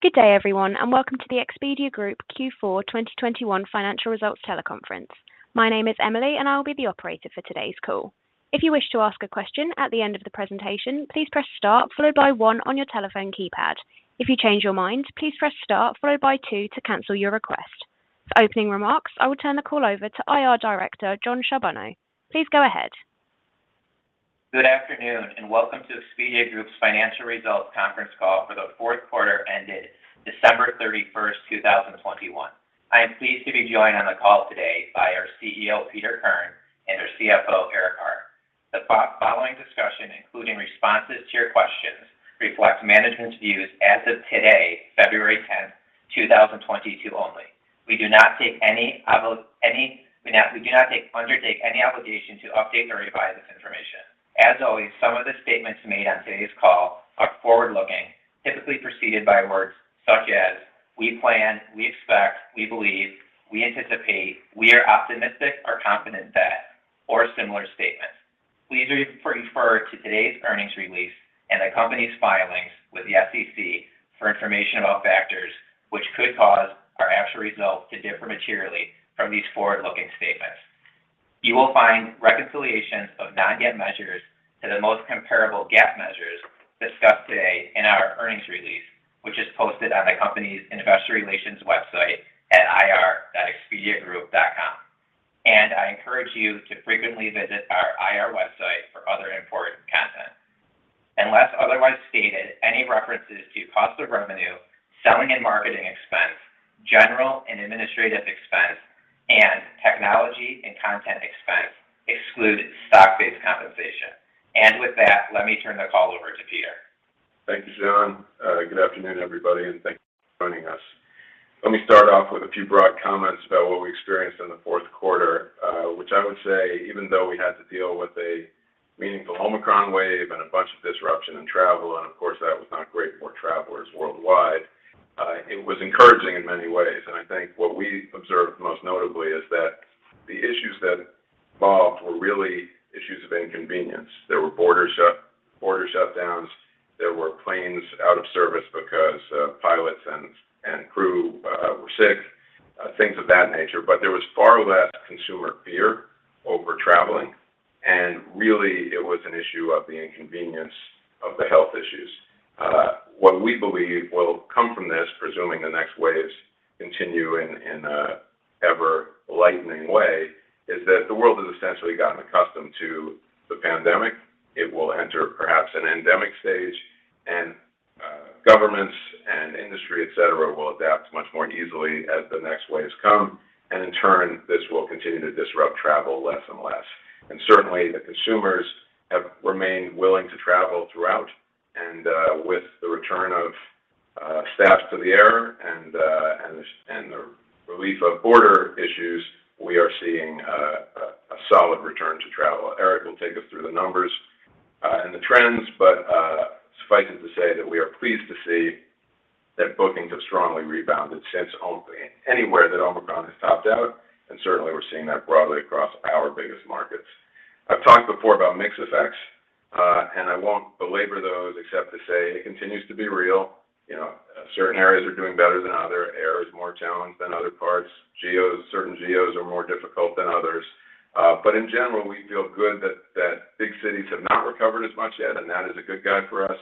Good day, everyone, and welcome to the Expedia Group Q4 2021 Financial Results Teleconference. My name is Emily, and I will be the operator for today's call. If you wish to ask a question at the end of the presentation, please press star followed by one on your telephone keypad. If you change your mind, please press star followed by two to cancel your request. For opening remarks, I will turn the call over to IR Director Jon Charbonneau. Please go ahead. Good afternoon and welcome to Expedia Group's financial results conference call for the fourth quarter ended December 31st, 2021. I am pleased to be joined on the call today by our CEO, Peter Kern, and our CFO, Eric Hart. The following discussion, including responses to your questions, reflects management's views as of today, February 10, 2022 only. We do not undertake any obligation to update or revise this information. As always, some of the statements made on today's call are forward-looking, typically preceded by words such as "we plan," "we expect," "we believe," "we anticipate," "we are optimistic or confident that," or similar statements. Please refer to today's earnings release and the company's filings with the SEC for information about factors which could cause our actual results to differ materially from these forward-looking statements. You will find reconciliations of non-GAAP measures to the most comparable GAAP measures discussed today in our earnings release, which is posted on the company's investor relations website at ir.expediagroup.com. I encourage you to frequently visit our IR website for other important content. Unless otherwise stated, any references to cost of revenue, selling and marketing expense, general and administrative expense, and technology and content expense exclude stock-based compensation. With that, let me turn the call over to Peter. Thank you, John. Good afternoon, everybody, and thank you for joining us. Let me start off with a few broad comments about what we experienced in the fourth quarter, which I would say even though we had to deal with a meaningful Omicron wave and a bunch of disruption in travel, and of course, that was not great for travelers worldwide, it was encouraging in many ways. I think what we observed most notably is that the issues that involved were really issues of inconvenience. There were border shutdowns, there were planes out of service because pilots and crew were sick, things of that nature. There was far less consumer fear over traveling, and really it was an issue of the inconvenience of the health issues. What we believe will come from this, presuming the next waves continue in a ever-lightening way, is that the world has essentially gotten accustomed to the pandemic. It will enter perhaps an endemic stage, and governments and industry, et cetera, will adapt much more easily as the next waves come, and in turn, this will continue to disrupt travel less and less. Certainly, the consumers have remained willing to travel throughout. With the return of staffs to the air and the relief of border issues, we are seeing a solid return to travel. Eric will take us through the numbers and the trends, but suffice it to say that we are pleased to see that bookings have strongly rebounded since anywhere that Omicron has topped out, and certainly we're seeing that broadly across our biggest markets. I've talked before about mix effects, and I won't belabor those except to say it continues to be real. You know, certain areas are doing better than others. Air is more challenged than other parts. Certain geos are more difficult than others. In general, we feel good that big cities have not recovered as much yet, and that is a good guide for us.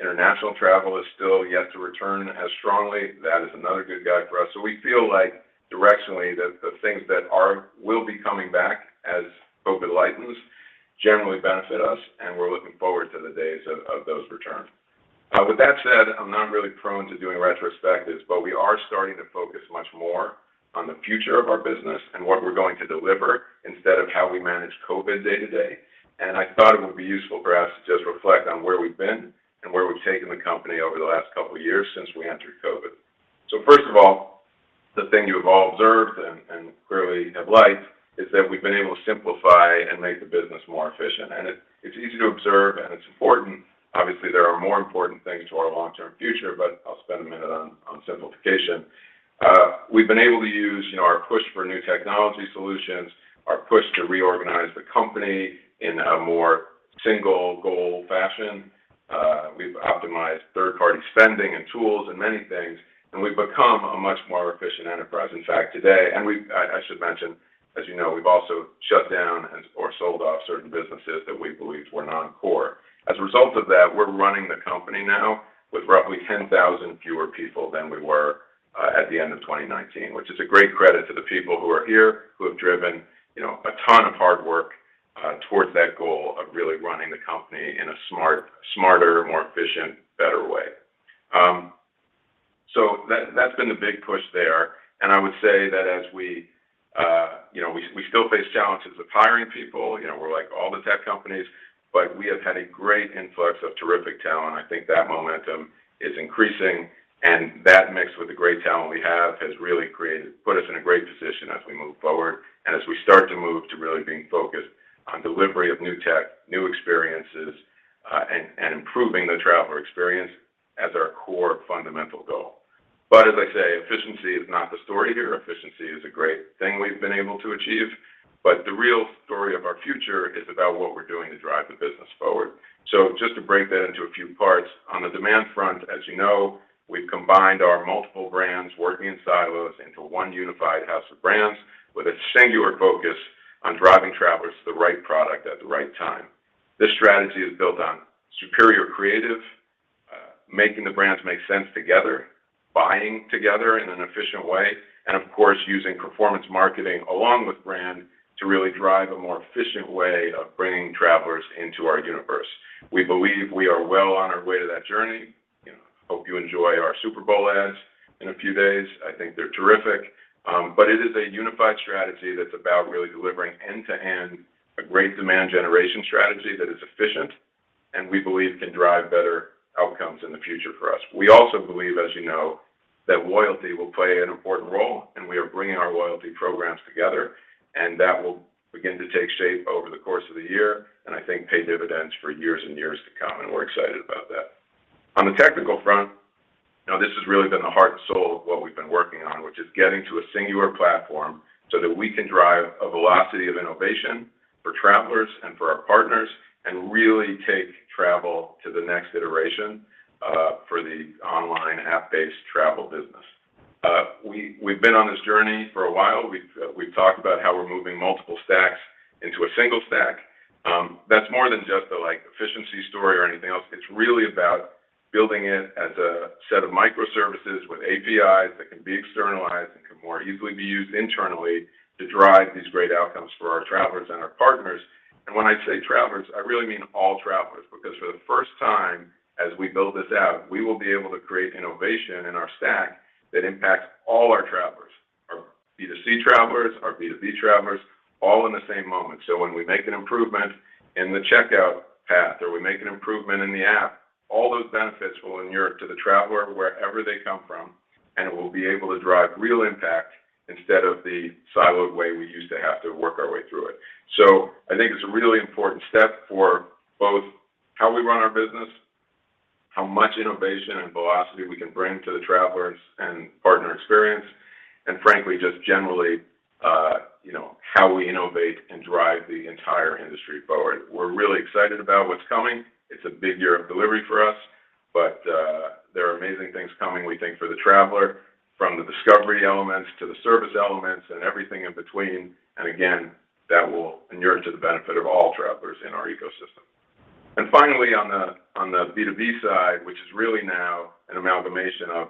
International travel is still yet to return as strongly. That is another good guide for us. We feel like directionally the things that will be coming back as COVID lightens generally benefit us, and we're looking forward to the days of those returns. With that said, I'm not really prone to doing retrospectives, but we are starting to focus much more on the future of our business and what we're going to deliver instead of how we manage COVID day to day. I thought it would be useful for us to just reflect on where we've been and where we've taken the company over the last couple years since we entered COVID. First of all, the thing you have all observed and clearly have liked is that we've been able to simplify and make the business more efficient. It's easy to observe, and it's important. Obviously, there are more important things to our long-term future, but I'll spend a minute on simplification. We've been able to use, you know, our push for new technology solutions, our push to reorganize the company in a more single goal fashion. We've optimized third-party spending and tools and many things, and we've become a much more efficient enterprise. In fact, I should mention, as you know, we've also shut down or sold off certain businesses that we believed were non-core. As a result of that, we're running the company now with roughly 10,000 fewer people than we were at the end of 2019, which is a great credit to the people who are here who have driven, you know, a ton of hard work towards that goal of really running the company in a smarter, more efficient, better way. That, that's been the big push there, and I would say that as we, you know, we still face challenges with hiring people, you know, we're like all the tech companies, but we have had a great influx of terrific talent. I think that momentum is increasing, and that mixed with the great talent we have has really put us in a great position as we move forward and as we start to move to really being focused on delivery of new tech, new experiences, and improving the traveler experience as our core fundamental goal. As I say, efficiency is not the story here. Efficiency is a great thing we've been able to achieve, but the real story of our future is about what we're doing to drive the business forward. Just to break that into a few parts. On the demand front, as you know, we've combined our multiple brands working in silos into one unified house of brands with a singular focus on driving travelers to the right product at the right time. This strategy is built on superior creative, making the brands make sense together, buying together in an efficient way, and of course, using performance marketing along with brand to really drive a more efficient way of bringing travelers into our universe. We believe we are well on our way to that journey. You know, I hope you enjoy our Super Bowl ads in a few days. I think they're terrific. It is a unified strategy that's about really delivering end-to-end a great demand generation strategy that is efficient and we believe can drive better outcomes in the future for us. We also believe, as you know, that loyalty will play an important role, and we are bringing our loyalty programs together, and that will begin to take shape over the course of the year, and I think pay dividends for years and years to come, and we're excited about that. On the technical front, now this has really been the heart and soul of what we've been working on, which is getting to a singular platform so that we can drive a velocity of innovation for travelers and for our partners, and really take travel to the next iteration, for the online app-based travel business. We've been on this journey for a while. We've talked about how we're moving multiple stacks into a single stack. That's more than just the, like, efficiency story or anything else. It's really about building it as a set of microservices with APIs that can be externalized and can more easily be used internally to drive these great outcomes for our travelers and our partners. When I say travelers, I really mean all travelers, because for the first time, as we build this out, we will be able to create innovation in our stack that impacts all our travelers. Our B2C travelers, our B2B travelers, all in the same moment. When we make an improvement in the checkout path or we make an improvement in the app, all those benefits will inure to the traveler wherever they come from, and it will be able to drive real impact instead of the siloed way we used to have to work our way through it. I think it's a really important step for both how we run our business, how much innovation and velocity we can bring to the travelers and partner experience, and frankly, just generally, you know, how we innovate and drive the entire industry forward. We're really excited about what's coming. It's a big year of delivery for us, but there are amazing things coming, we think, for the traveler, from the discovery elements to the service elements and everything in between. Again, that will inure to the benefit of all travelers in our ecosystem. Finally, on the B2B side, which is really now an amalgamation of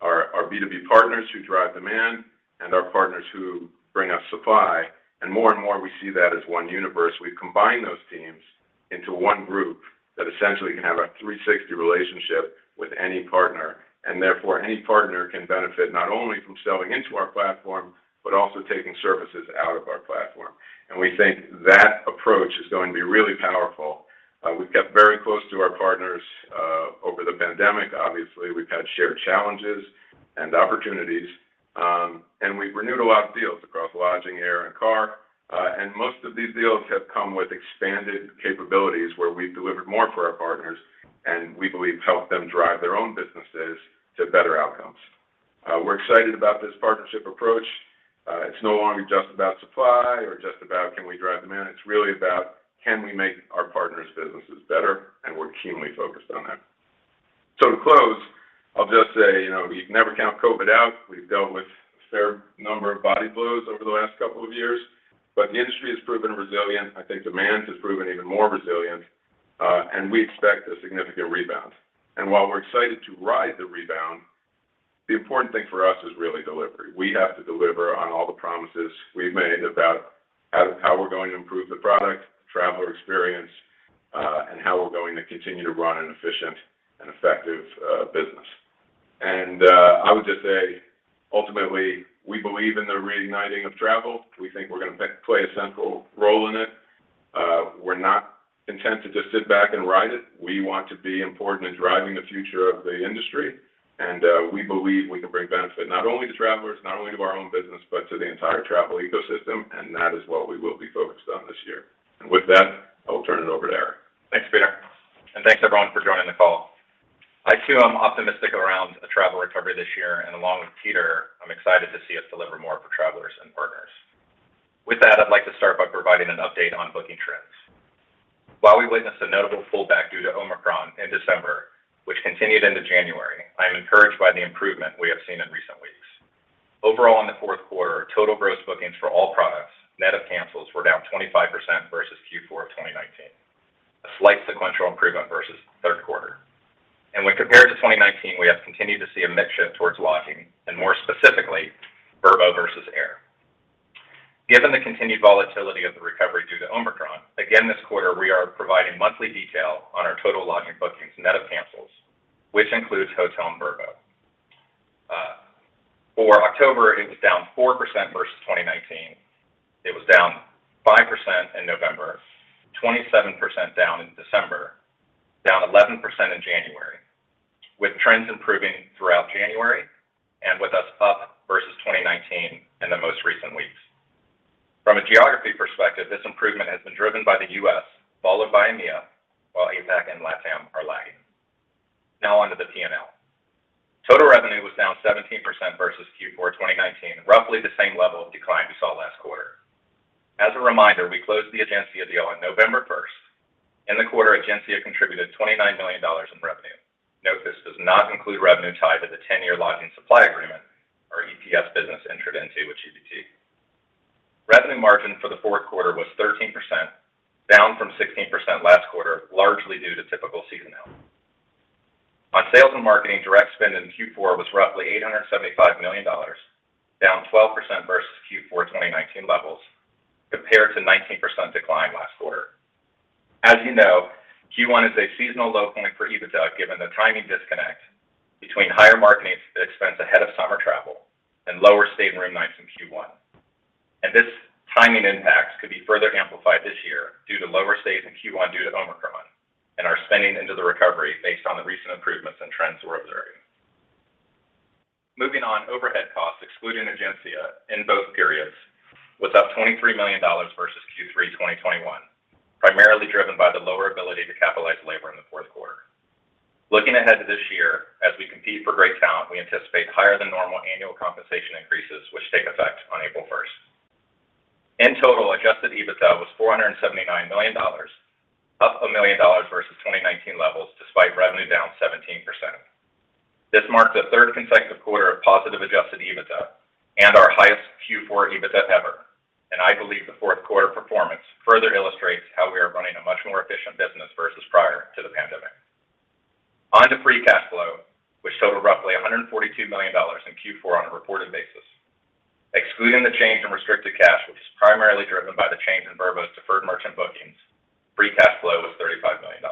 our B2B partners who drive demand and our partners who bring us supply. More and more we see that as one universe. We combine those teams into one group that essentially can have a 360 relationship with any partner. Therefore, any partner can benefit not only from selling into our platform, but also taking services out of our platform. We think that approach is going to be really powerful. We've kept very close to our partners over the pandemic. Obviously, we've had shared challenges and opportunities, and we've renewed a lot of deals across lodging, air, and car. Most of these deals have come with expanded capabilities where we've delivered more for our partners and we believe help them drive their own businesses to better outcomes. We're excited about this partnership approach. It's no longer just about supply or just about can we drive demand. It's really about can we make our partners' businesses better, and we're keenly focused on that. To close, I'll just say, you know, you can never count COVID out. We've dealt with a fair number of body blows over the last couple of years, but the industry has proven resilient. I think demand has proven even more resilient, and we expect a significant rebound. While we're excited to ride the rebound, the important thing for us is really delivery. We have to deliver on all the promises we've made about how we're going to improve the product, traveler experience, and how we're going to continue to run an efficient and effective business. I would just say, ultimately, we believe in the reigniting of travel. We think we're gonna play a central role in it. We're not intent to just sit back and ride it. We want to be important in driving the future of the industry, and we believe we can bring benefit not only to travelers, not only to our own business, but to the entire travel ecosystem, and that is what we will be focused on this year. With that, I will turn it over to Eric. Thanks, Peter. Thanks everyone for joining the call. I too am optimistic around a travel recovery this year, and along with Peter, I'm excited to see us deliver more for travelers and partners. With that, I'd like to start by providing an update on booking trends. While we witnessed a notable pullback due to Omicron in December, which continued into January, I am encouraged by the improvement we have seen in recent weeks. Overall, in the fourth quarter, total gross bookings for all products, net of cancels, were down 25% versus Q4 of 2019. A slight sequential improvement versus third quarter. When compared to 2019, we have continued to see a mix shift towards lodging, and more specifically, Vrbo versus air. Given the continued volatility of the recovery due to Omicron, again, this quarter we are providing monthly detail on our total lodging bookings net of cancels, which includes Hotel and Vrbo. For October, it was down 4% versus 2019. It was down 5% in November, 27% down in December, down 11% in January, with trends improving throughout January and with us up, driven by the U.S., followed by EMEA, while APAC and LATAM are lagging. Now on to the P&L. Total revenue was down 17% versus Q4 2019, roughly the same level of decline we saw last quarter. As a reminder, we closed the Egencia deal on November 1st. In the quarter, Egencia contributed $29 million in revenue. Note, this does not include revenue tied to the 10-year lodging supply agreement our EPS business entered into with GBT. Revenue margin for the fourth quarter was 13%, down from 16% last quarter, largely due to typical seasonality. On sales and marketing, direct spend in Q4 was roughly $875 million, down 12% versus Q4 2019 levels, compared to 19% decline last quarter. As you know, Q1 is a seasonal low point for EBITDA, given the timing disconnect between higher marketing expense ahead of summer travel and lower stay and room nights in Q1. This timing impact could be further amplified this year due to lower stays in Q1 due to Omicron and our spending into the recovery based on the recent improvements in trends we're observing. Moving on, overhead costs, excluding Egencia in both periods, was up $23 million versus Q3 2021, primarily driven by the lower ability to capitalize labor in the fourth quarter. Looking ahead to this year, as we compete for great talent, we anticipate higher than normal annual compensation increases, which take effect on April 1st. In total, adjusted EBITDA was $479 million, up $1 million versus 2019 levels, despite revenue down 17%. This marks the third consecutive quarter of positive adjusted EBITDA and our highest Q4 EBITDA ever. I believe the fourth quarter performance further illustrates how we are running a much more efficient business versus prior to the pandemic. On to free cash flow, which totaled roughly $142 million in Q4 on a reported basis. Excluding the change in restricted cash, which is primarily driven by the change in Vrbo's deferred merchant bookings, free cash flow was $35 million.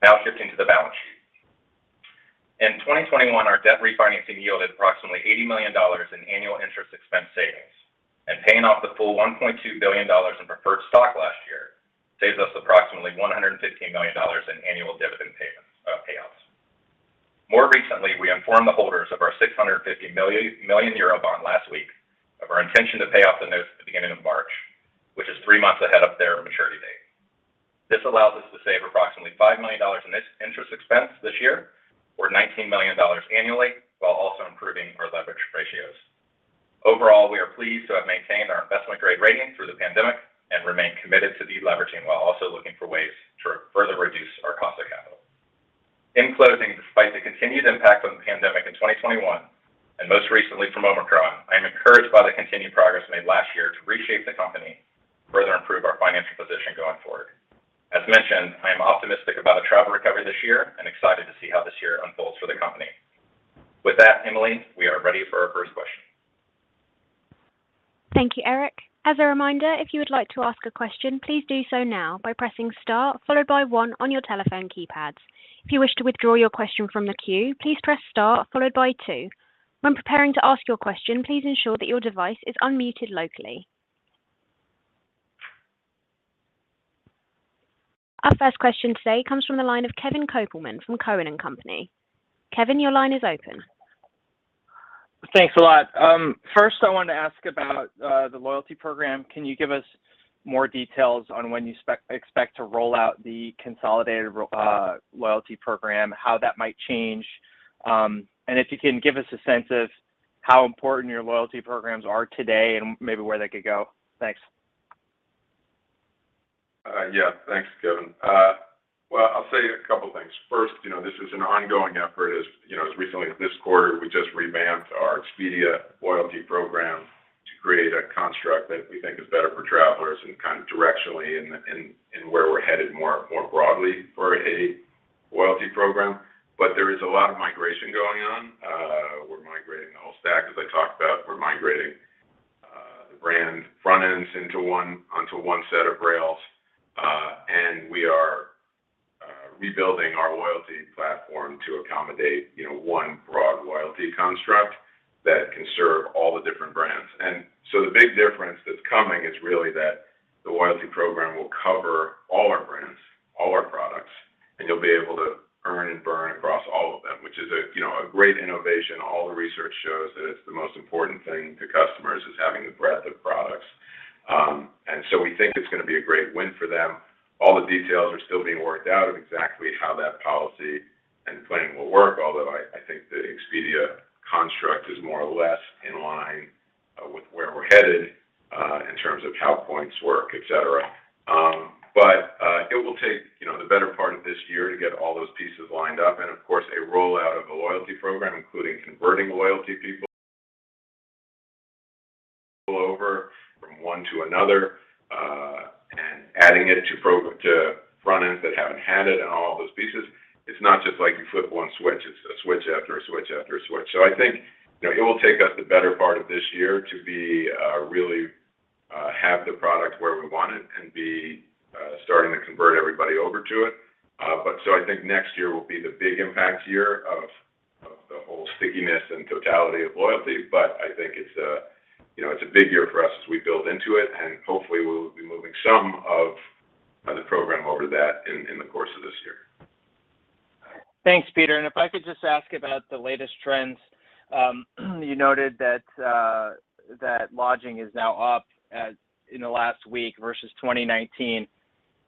Now shifting to the balance sheet. In 2021, our debt refinancing yielded approximately $80 million in annual interest expense savings, and paying off the full $1.2 billion in preferred stock last year saves us approximately $115 million in annual dividend payment payouts. More recently, we informed the holders of our 650 million Eurobond last week of our intention to pay off the note at the beginning of March, which is three months ahead of their maturity date. This allows us to save approximately $5 million in this interest expense this year, or $19 million annually, while also improving our leverage ratios. Overall, we are pleased to have maintained our investment-grade rating through the pandemic and remain committed to deleveraging while also looking for ways to further reduce our cost of capital. In closing, despite the continued impact of the pandemic in 2021, and most recently from Omicron, I am encouraged by the continued progress made last year to reshape the company to further improve our financial position going forward. As mentioned, I am optimistic about a travel recovery this year and excited to see how this year unfolds for the company. With that, Emily, we are ready for our first question. Thank you, Eric. As a reminder, if you would like to ask a question, please do so now by pressing star followed by one on your telephone keypads. If you wish to withdraw your question from the queue, please press star followed by two. When preparing to ask your question, please ensure that your device is unmuted locally. Our first question today comes from the line of Kevin Kopelman from Cowen and Company. Kevin, your line is open. Thanks a lot. First, I wanted to ask about the loyalty program. Can you give us more details on when you expect to roll out the consolidated loyalty program, how that might change? If you can, give us a sense of how important your loyalty programs are today and maybe where they could go. Thanks. Yeah. Thanks, Kevin. Well, I'll say a couple of things. First, you know, this is an ongoing effort. As you know, as recently as this quarter, we just revamped our Expedia loyalty program to create a construct that we think is better for travelers and kind of directionally and where we're headed more broadly for a loyalty program. But there is a lot of migration going on. We're migrating the whole stack, as I talked about. We're migrating the brand front ends onto one set of rails. And we are rebuilding our loyalty platform to accommodate, you know, one broad loyalty construct that can serve all the different brands. The big difference that's coming is really that the loyalty program will cover all our brands, all our products, and you'll be able to earn and burn across all of them, which is a, you know, a great innovation. All the research shows that it's the most important thing to customers is having the breadth of products. We think it's gonna be a great win for them. All the details are still being worked out of exactly how that policy and planning will work. Although I think the Expedia construct is more or less in line with where we're headed in terms of how points work, et cetera. It will take, you know, the better part of this year to get all those pieces lined up. Of course, a rollout of the loyalty program, including converting the loyalty people over from one to another, and adding it to front ends that haven't had it and all of those pieces. It's not just like you flip one switch. It's a switch after a switch after a switch. I think, you know, it will take us the better part of this year to be really have the product where we want it and be starting to convert everybody over to it. I think next year will be the big impact year of the whole stickiness and totality of loyalty. I think it's a, you know, it's a big year for us as we build into it, and hopefully, we'll be moving some of the program over to that in the first. Thanks, Peter. If I could just ask about the latest trends. You noted that lodging is now up in the last week versus 2019.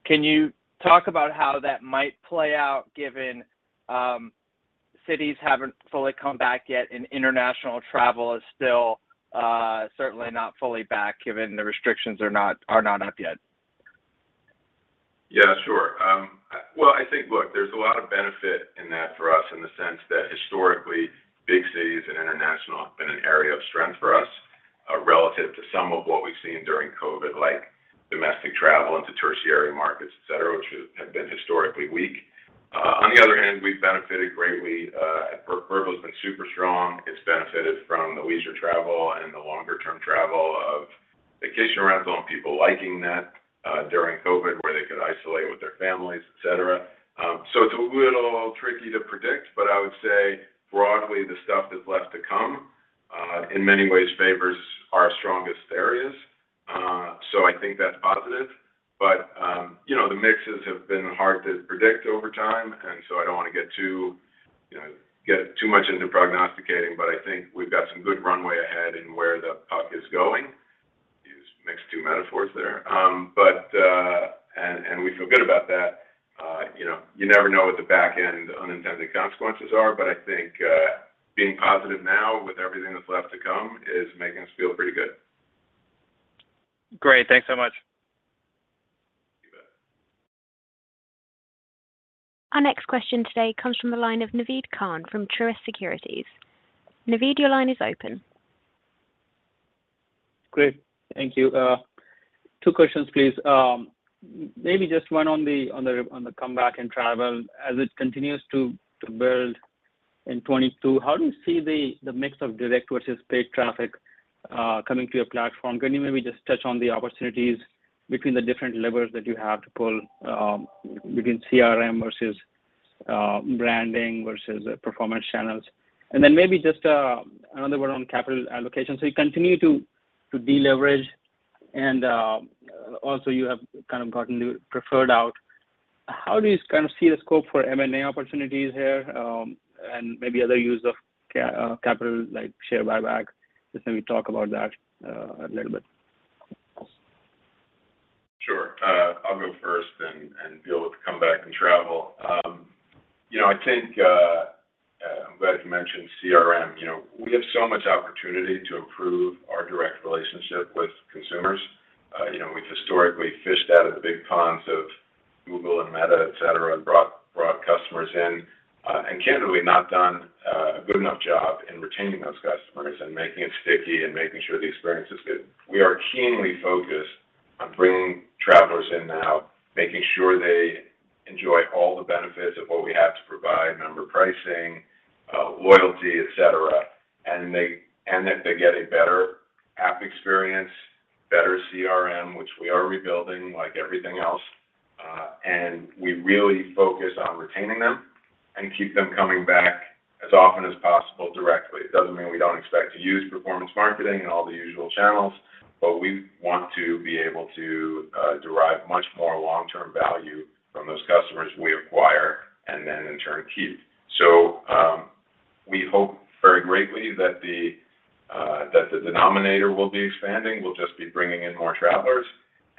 Can you talk about how that might play out given cities haven't fully come back yet and international travel is still certainly not fully back given the restrictions are not up yet? Yeah, sure. Well, I think, look, there's a lot of benefit in that for us in the sense that historically, big cities and international have been an area of strength for us, relative to some of what we've seen during COVID, like domestic travel into tertiary markets, et cetera, which have been historically weak. On the other hand, we've benefited greatly. Vrbo's been super strong. It's benefited from the leisure travel and the longer-term travel of vacation rental and people liking that, during COVID, where they could isolate with their families, et cetera. It's a little tricky to predict, but I would say broadly, the stuff that's left to come, in many ways favors our strongest areas. I think that's positive. You know, the mixes have been hard to predict over time, and so I don't want to get too much into prognosticating, but I think we've got some good runway ahead in where the puck is going. Mix two metaphors there. We feel good about that. You know, you never know what the back end unintended consequences are, but I think being positive now with everything that's left to come is making us feel pretty good. Great. Thanks so much. You bet. Our next question today comes from the line of Naved Khan from Truist Securities. Naved, your line is open. Great. Thank you. Two questions, please. Maybe just one on the comeback in travel. As it continues to build in 2022, how do you see the mix of direct versus paid traffic coming to your platform? Can you maybe just touch on the opportunities between the different levers that you have to pull between CRM versus branding versus performance channels? Then maybe just another one on capital allocation. You continue to deleverage and also you have kind of gotten to preferred out. How do you kind of see the scope for M&A opportunities here and maybe other use of capital like share buyback? Just maybe talk about that a little bit. Sure. I'll go first and deal with the comeback in travel. You know, I think, I'm glad you mentioned CRM. You know, we have so much opportunity to improve our direct relationship with consumers. You know, we've historically fished out of the big ponds of Google and Meta, et cetera, and brought customers in, and candidly not done a good enough job in retaining those customers and making it sticky and making sure the experience is good. We are keenly focused on bringing travelers in now, making sure they enjoy all the benefits of what we have to provide, member pricing, loyalty, et cetera, and that they get a better app experience, better CRM, which we are rebuilding like everything else. We really focus on retaining them and keep them coming back as often as possible directly. It doesn't mean we don't expect to use performance marketing in all the usual channels, but we want to be able to derive much more long-term value from those customers we acquire and then in turn, keep. We hope very greatly that the denominator will be expanding. We'll just be bringing in more travelers,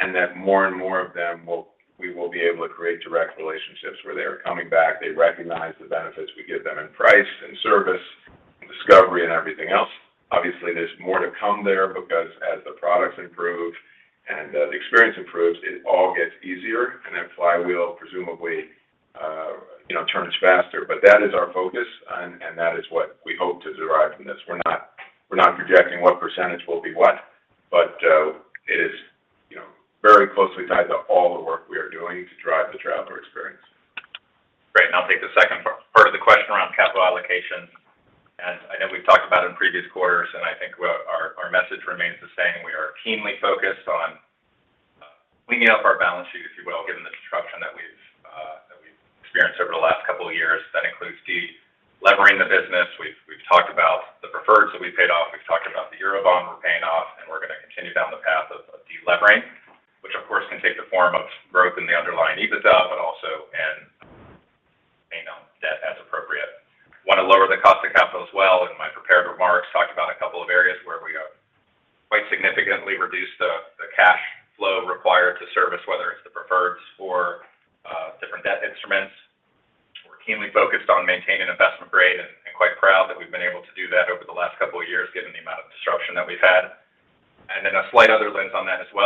and that more and more of them will we will be able to create direct relationships where they are coming back, they recognize the benefits we give them in price and service, discovery and everything else. Obviously, there's more to come there because as the products improve and the experience improves, it all gets easier, and that flywheel presumably turns faster. That is our focus and that is what we hope to derive from this. We're not projecting what percentage will be what, but it is, you know, very closely tied to all the work we are doing to drive the traveler experience. Great. I'll take the second part of the question around capital allocation. As you know we've talked about in previous quarters, and I think what our message remains the same. We are keenly focused on cleaning up our balance sheet, if you will, given the disruption that we've experienced over the last couple of years. That includes delevering the business. We've talked about the preferreds that we paid off. We've talked about the Eurobond we're paying off, and we're gonna continue down the path of delevering, which of course can take the form of growth in the underlying EBITDA, but also in paying down debt as appropriate. We want to lower the cost of capital as well. In my prepared remarks, I talked about a couple of areas where we have quite significantly reduced the cash flow required to service, whether it's the preferreds or different debt instruments. We're keenly focused on maintaining investment grade and quite proud that we've been able to do that over the last couple of years given the amount of disruption that we've had. A slight other lens on that as well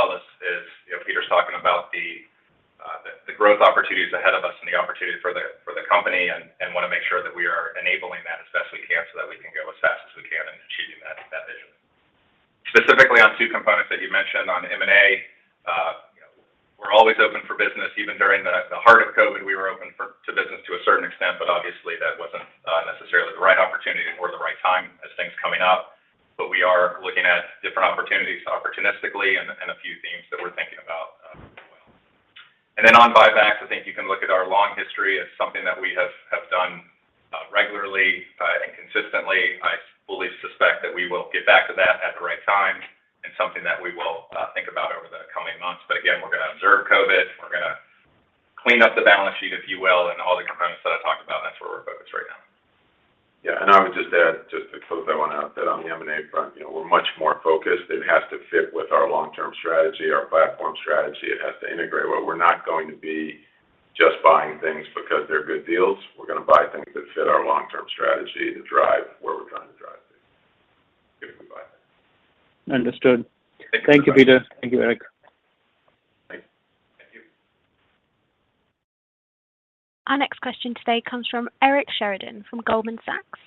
Our next question today comes from Eric Sheridan from Goldman Sachs.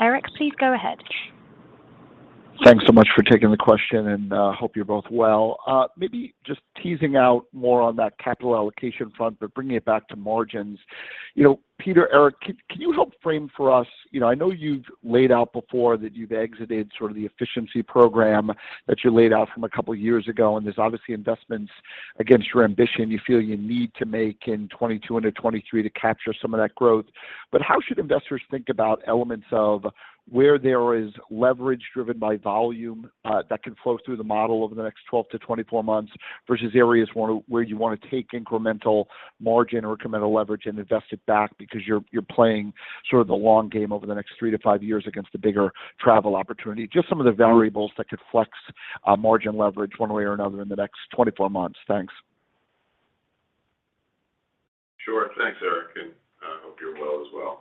Eric, please go ahead. Thanks so much for taking the question, and hope you're both well. Maybe just teasing out more on that capital allocation front, but bringing it back to margins. You know, Peter, Eric, can you help frame for us. You know, I know you've laid out before that you've exited sort of the efficiency program that you laid out from a couple years ago, and there's obviously investments against your ambition you feel you need to make in 2022 into 2023 to capture some of that growth. How should investors think about elements of where there is leverage driven by volume, that can flow through the model over the next 12-24 months, versus areas where you wanna take incremental margin or incremental leverage and invest it back because you're playing sort of the long game over the next three-five years against the bigger travel opportunity? Just some of the variables that could flex, margin leverage one way or another in the next 24 months. Thanks. Sure. Thanks, Eric, and hope you're well as well.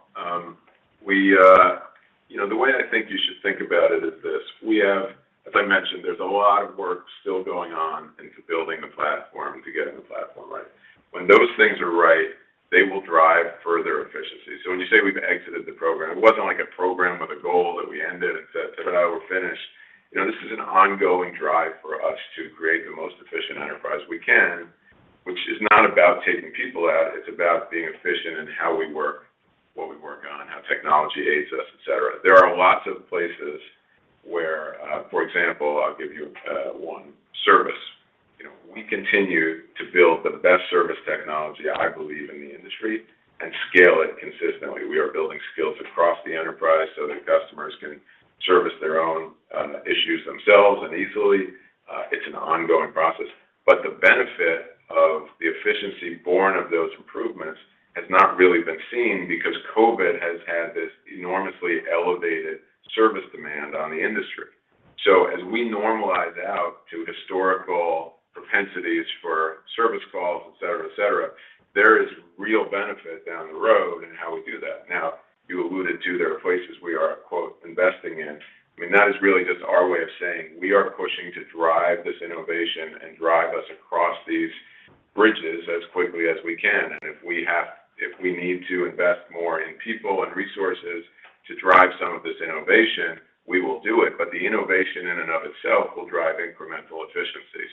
You know, the way I think you should think about it is this: we have, as I mentioned, there's a lot of work still going on into building the platform, to getting the platform right. When those things are right, they will drive further efficiency. When you say we've exited the program, it wasn't like a program with a goal that we ended and said, "Ta-da, we're finished." You know, this is an ongoing drive for us to create the most efficient enterprise we can, which is not about taking people out. It's about being efficient in how we work, what we work on, how technology aids us, et cetera. There are lots of places where, for example, I'll give you one, service. You know, we continue to build the best service technology, I believe, in the industry and scale it consistently. We are building skills across the enterprise so that customers can service their own issues themselves and easily. It's an ongoing process. The benefit of the efficiency born of those improvements has not really been seen because COVID has had this enormously elevated service demand on the industry. As we normalize out to historical propensities for service calls, et cetera, et cetera, there is real benefit down the road in how we do that. Now, you alluded to there are places we are, quote, "investing" in. I mean, that is really just our way of saying, we are pushing to drive this innovation and drive us across these bridges as quickly as we can, and if we need to invest more in people and resources to drive some of this innovation, we will do it, but the innovation in and of itself will drive incremental efficiency.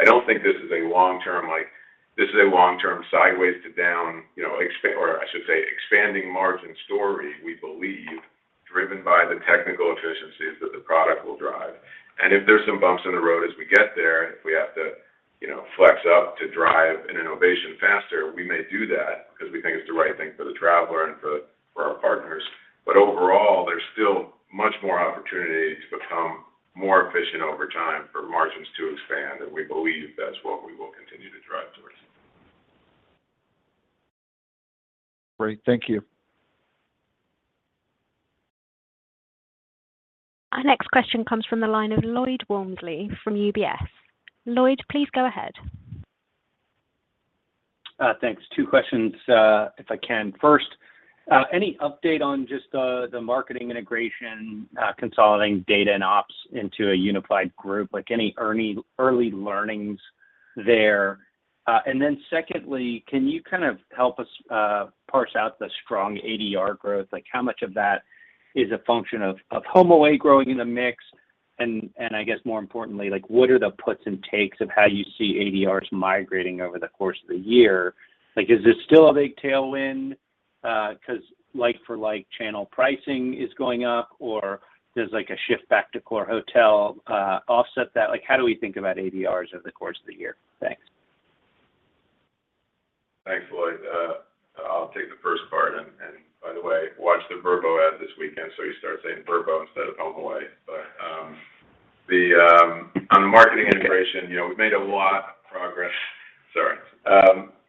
I don't think this is a long-term, like, this is a long-term sideways to down, you know, or I should say expanding margin story, we believe, driven by the technical efficiencies that the product will drive. If there's some bumps in the road as we get there, and if we have to, you know, flex up to drive an innovation faster, we may do that because we think it's the right thing for the traveler and for our partners. Overall, there's still much more opportunity to become more efficient over time for margins to expand, and we believe that's what we will continue to drive towards. Great. Thank you. Our next question comes from the line of Lloyd Walmsley from UBS. Lloyd, please go ahead. Thanks. Two questions, if I can. First, any update on just the marketing integration, consolidating data and ops into a unified group? Like, any early learnings there? And then secondly, can you kind of help us parse out the strong ADR growth? Like, how much of that is a function of Vrbo growing in the mix? And I guess more importantly, like, what are the puts and takes of how you see ADRs migrating over the course of the year? Like, is this still a big tailwind, 'cause like for like channel pricing is going up, or there's like a shift back to core hotel offset that? Like, how do we think about ADRs over the course of the year? Thanks. Thanks, Lloyd. I'll take the first part. By the way, watched the Vrbo ad this weekend, so you start saying Vrbo instead of Vrbo. On the marketing integration, you know, we've made a lot of progress, sorry,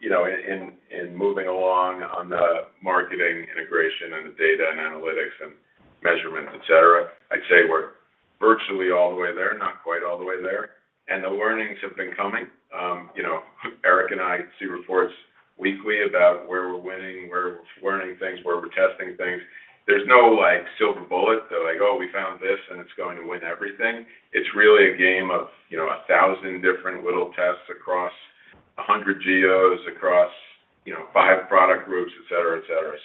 you know, in moving along on the marketing integration and the data and analytics and measurements, et cetera. I'd say we're virtually all the way there, not quite all the way there, and the learnings have been coming. You know, Eric and I see reports weekly about where we're winning, where we're learning things, where we're testing things. There's no, like, silver bullet, though, like, "Oh, we found this, and it's going to win everything." It's really a game of, you know, 1,000 different little tests across 100 geos, across, you know, five product groups, et cetera, et cetera.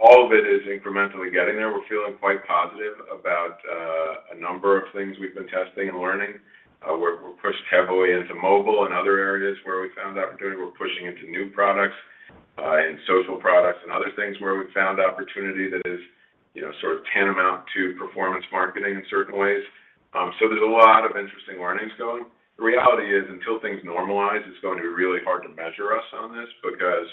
All of it is incrementally getting there. We're feeling quite positive about a number of things we've been testing and learning. We're pushed heavily into mobile and other areas where we found opportunity. We're pushing into new products and social products and other things where we've found opportunity that is, you know, sort of tantamount to performance marketing in certain ways. There's a lot of interesting learnings going. The reality is, until things normalize, it's going to be really hard to measure us on this because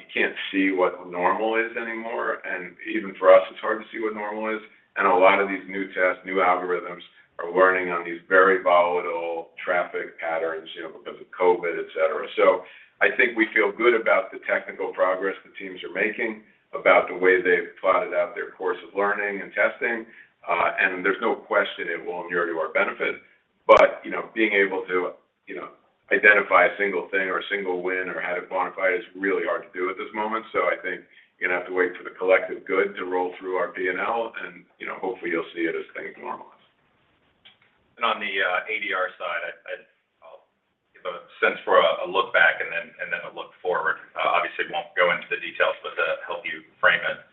you can't see what normal is anymore. Even for us, it's hard to see what normal is. A lot of these new tests, new algorithms are learning on these very volatile traffic patterns, you know, because of COVID, et cetera. I think we feel good about the technical progress the teams are making, about the way they've plotted out their course of learning and testing. There's no question it will endure to our benefit. You know, being able to, you know, identify a single thing or a single win or how to quantify it is really hard to do at this moment. I think you're gonna have to wait for the collective good to roll through our P&L and, you know, hopefully you'll see it as things normalize. On the ADR side, I'll give a sense for a look back and then a look forward. Obviously, won't go into the details, but to help you frame it.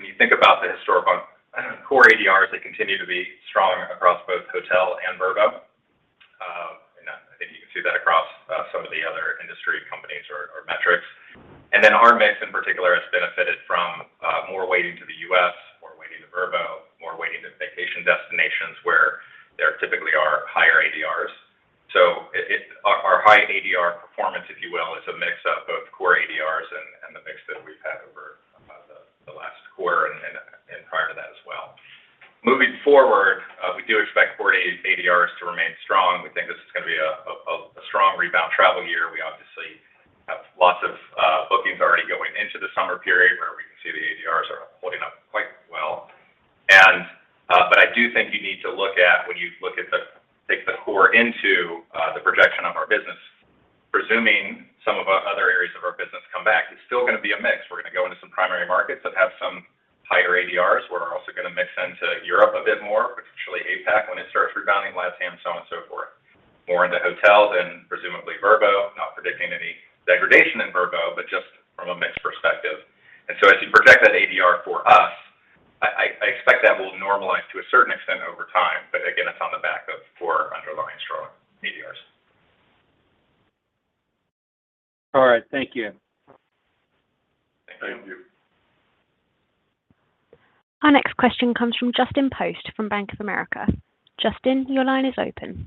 When you think about the historical on core ADRs, they continue to be strong across both hotel and Vrbo. I think you can see that across some of the other industry companies or metrics. Our mix, in particular, has benefited from more weighting to the U.S., more weighting to Vrbo, more weighting to vacation destinations where there typically are higher ADRs. It's our high ADR performance, if you will, is a mix of both core ADRs and the mix that we've had over the last quarter and prior to that as well. Moving forward, we do expect core ADRs to remain strong. We think this is gonna be a strong rebound travel year. We obviously have lots of bookings already going into the summer period where we can see the ADRs are holding up quite well. I do think you need to take the core into the projection of our business. Presuming some of our other areas of our business come back, it's still gonna be a mix. We're gonna go into some primary markets that have some higher ADRs. We're also gonna mix into Europe a bit more, potentially APAC, when it starts rebounding, LATAM, so on and so forth. More into hotels and presumably Vrbo, not predicting any degradation in Vrbo, but just from a mix perspective. As you project that ADR for us, I expect that will normalize to a certain extent over time, but again, it's on the back of core underlying strong ADRs. All right, thank you. Thank you. Our next question comes from Justin Post from Bank of America. Justin, your line is open.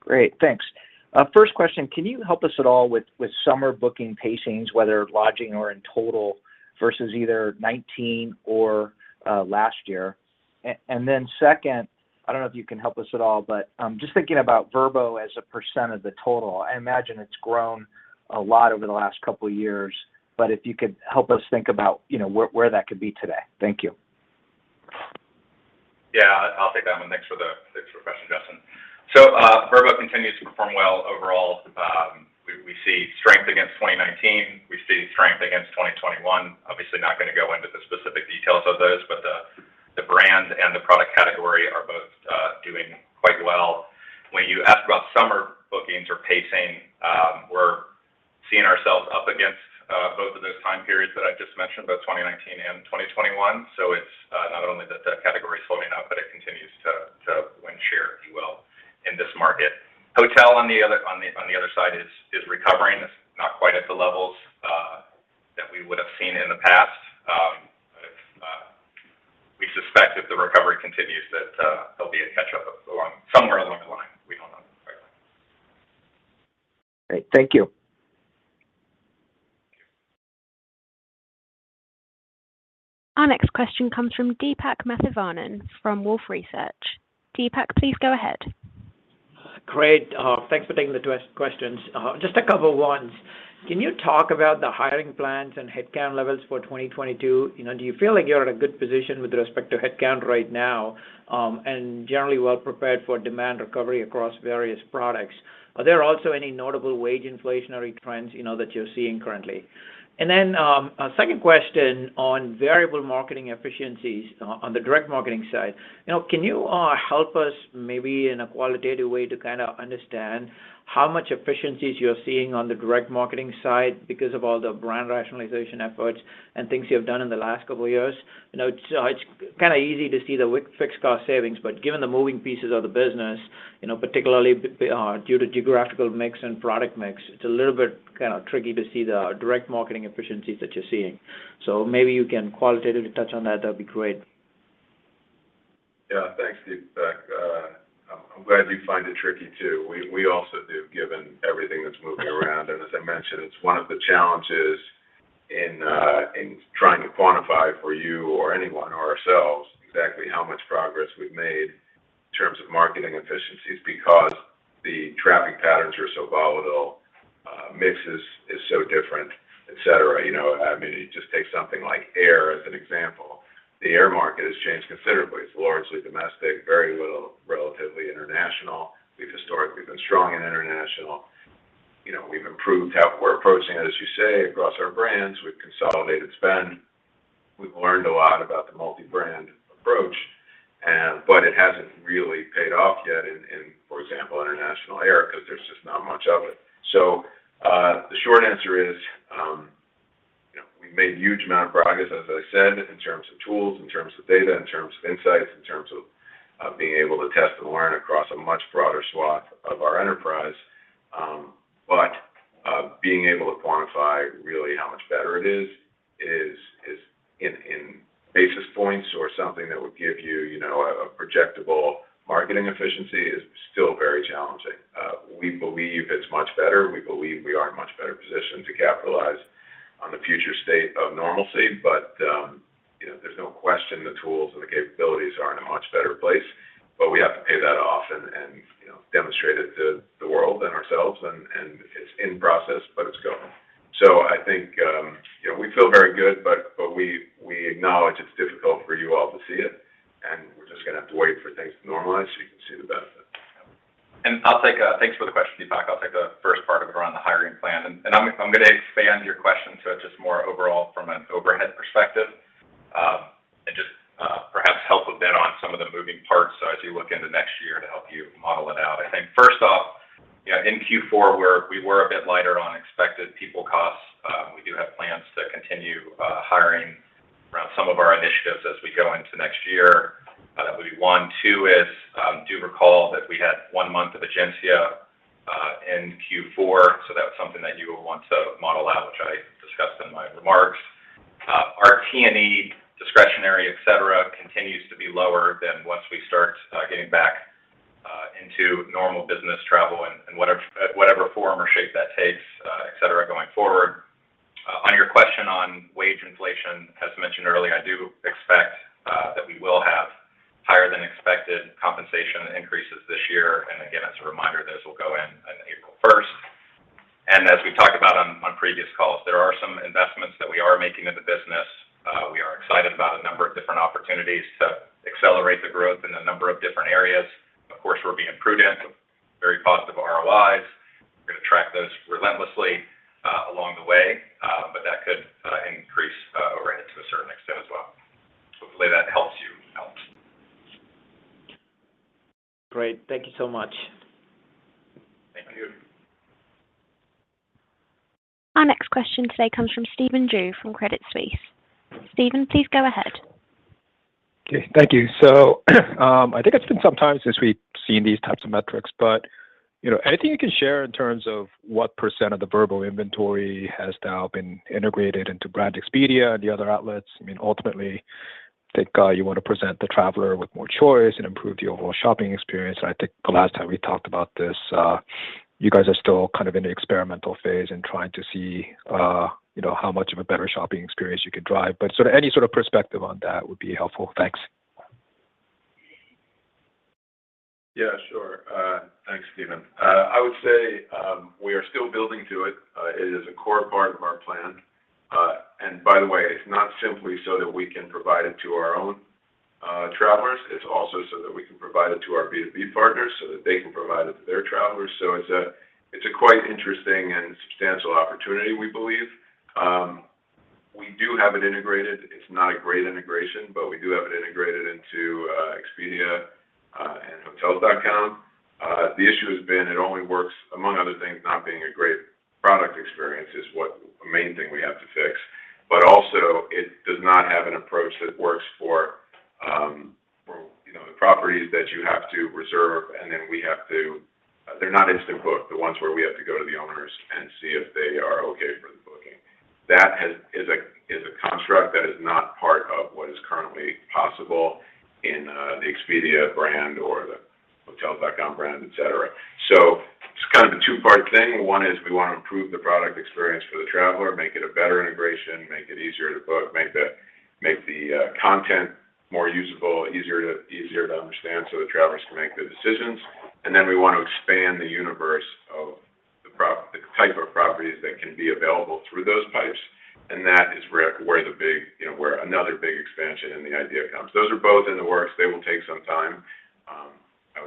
Great, thanks. First question, can you help us at all with summer booking pacings, whether lodging or in total, versus either 2019 or last year? Then second, I don't know if you can help us at all, but just thinking about Vrbo as a % of the total, I imagine it's grown a lot over the last couple of years, but if you could help us think about, you know, where that could be today. Thank you. Yeah, I'll take that one. Thanks for the question, Justin. Vrbo continues to perform well overall. We see strength against 2019, we see strength against 2021. Obviously, not gonna go into the specific details of those, but the brand and the product category are both doing quite well. When you ask about summer bookings or pacing, we're seeing ourselves up against both of those time periods that I just mentioned, both 2019 and 2021. It's not only that the category is holding up, but it continues to win share, if you will, in this market. Hotel on the other side is recovering. It's not quite at the levels that we would have seen in the past. We suspect if the recovery continues that there'll be a catch-up somewhere along the line. We don't know exactly. Great. Thank you. Our next question comes from Deepak Mathivanan from Wolfe Research. Deepak, please go ahead. Great. Thanks for taking the questions. Just a couple ones. Can you talk about the hiring plans and headcount levels for 2022? You know, do you feel like you're in a good position with respect to headcount right now, and generally well-prepared for demand recovery across various products? Are there also any notable wage inflationary trends, you know, that you're seeing currently? A second question on variable marketing efficiencies on the direct marketing side. You know, can you help us maybe in a qualitative way to kinda understand how much efficiencies you're seeing on the direct marketing side because of all the brand rationalization efforts and things you have done in the last couple of years? You know, it's kinda easy to see the fixed cost savings, but given the moving pieces of the business, you know, particularly due to geographical mix and product mix, it's a little bit kinda tricky to see the direct marketing efficiencies that you're seeing. So maybe you can qualitatively touch on that. That'd be great. Yeah, thanks, Deepak. I'm glad you find it tricky too. We also do, given everything that's moving around. As I mentioned, it's one of the challenges in trying to quantify for you or anyone or ourselves exactly how much progress we've made in terms of marketing efficiencies because the traffic patterns are so volatile, mix is so different, et cetera. You know, I mean, you just take something like air as an example. The air market has changed considerably. It's largely domestic, very little, relatively international. We've historically been strong in international. You know, we've improved how we're approaching it, as you say, across our brands. We've consolidated spend. We've learned a lot about the multi-brand approach, but it hasn't really paid off yet in for example, international air because there's just not much of it. The short answer is, you know, we've made huge amount of progress, as I said, in terms of tools, in terms of data, in terms of insights, in terms of being able to test and learn across a much broader swath of our enterprise. To be able to quantify really how much better it is in basis points or something that would give you know, a projectable marketing efficiency is still very challenging. We believe it's much better. We believe we are in a much better position to capitalize on the future state of normalcy. You know, there's no question the tools and the capabilities are in a much better place. We have to pay that off and, you know, demonstrate it to the world and ourselves, and it's in process, but it's going. I think, you know, we feel very good, but we acknowledge it's difficult for you all to see it, and we're just gonna have to wait for things to normalize so you can see the benefits. I'll take. Thanks for the question, Deepak. I'll take the first part of it around the hiring plan. I'm gonna expand your question to just more overall from an overhead perspective, and just perhaps help a bit on some of the moving parts as you look into next year to help you model it out. I think first off, you know, in Q4, we were a bit lighter on expected people costs. We do have plans to continue hiring around some of our initiatives as we go into next year. That would be one. Two is, do recall that we had one month of Egencia in Q4, so that was something that you would want to model out, which I discussed in my remarks. Our T&E discretionary, et cetera, continues to be lower than once we start getting back into normal business travel and whatever form or shape that takes, et cetera, going forward. On your question on wage inflation, as mentioned earlier, I do expect that we will have higher than expected compensation increases this year. Again, as a reminder, those will go in on April 1st. As we've talked about on previous calls, there are some investments that we are making in the business. We are excited about a number of different opportunities to accelerate the growth in a number of different areas. Of course, we're being prudent, very positive ROIs. We're gonna track those relentlessly along the way, but that could increase overhead to a certain extent as well. Hopefully that helps you, Deepak. Great. Thank you so much. Thank you. Our next question today comes from Stephen Ju from Credit Suisse. Stephen, please go ahead. Okay, thank you. I think it's been some time since we've seen these types of metrics, but, you know, anything you can share in terms of what % of the Vrbo inventory has now been integrated into Brand Expedia and the other outlets? I mean, ultimately, I think, you want to present the traveler with more choice and improve the overall shopping experience. I think the last time we talked about this, you guys are still kind of in the experimental phase and trying to see, you know, how much of a better shopping experience you could drive. Sort of any sort of perspective on that would be helpful. Thanks. Yeah, sure. Thanks, Stephen. I would say we are still building to it. It is a core part of our plan. By the way, it's not simply so that we can provide it to our own travelers. It's also so that we can provide it to our B2B partners so that they can provide it to their travelers. It's a quite interesting and substantial opportunity, we believe. We do have it integrated. It's not a great integration, but we do have it integrated into Expedia and Hotels.com. The issue has been it only works, among other things. Not being a great product experience is what the main thing we have to fix. It does not have an approach that works for you know the properties that you have to reserve. They're not instant book, the ones where we have to go to the owners and see if they are okay for the booking. It is a construct that is not part of what is currently possible in the Expedia brand or the Hotels.com brand, etc. It is kind of a two-part thing. One is we want to improve the product experience for the traveler, make it a better integration, make it easier to book, make the content more usable, easier to understand so the travelers can make good decisions. We want to expand the universe of the type of properties that can be available through those pipes. That is where another big expansion in the idea comes. Those are both in the works. They will take some time.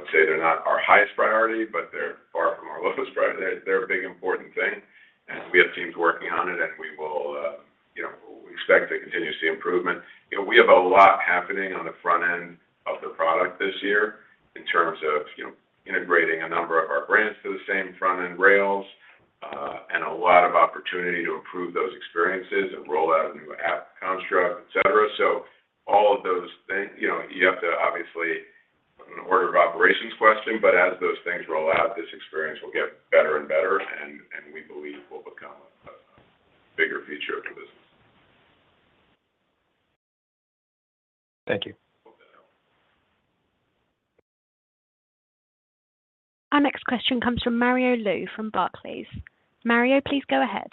I would say they're not our highest priority, but they're far from our lowest priority. They're a big important thing, and we have teams working on it, and we will, you know, we expect to continue to see improvement. You know, we have a lot happening on the front end of the product this year in terms of, you know, integrating a number of our brands to the same front-end rails, and a lot of opportunity to improve those experiences and roll out a new app construct, et cetera. All of those things, you know, you have to obviously, an order of operations question, but as those things roll out, this experience will get better and better, and we believe will become a bigger feature of the business. Thank you. Hope that helps. Our next question comes from Mario Lu from Barclays. Mario, please go ahead.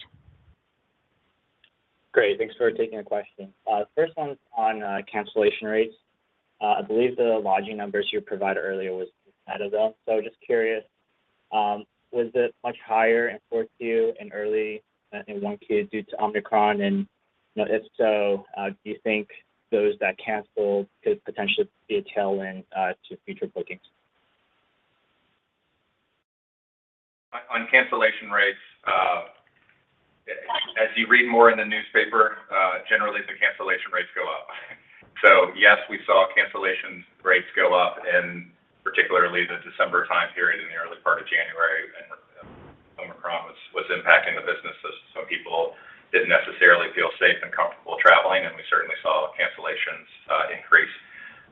Great. Thanks for taking the question. First one's on cancellation rates. I believe the lodging numbers you provided earlier was net of those. Just curious, was it much higher in Q4 and early in Q1 due to Omicron? If so, do you think those that canceled could potentially be a tailwind to future bookings? On cancellation rates, as you read more in the newspaper, generally the cancellation rates go up. Yes, we saw cancellation rates go up particularly in the December time period in the early part of January when Omicron was impacting the business as some people didn't necessarily feel safe and comfortable traveling, and we certainly saw cancellations increase.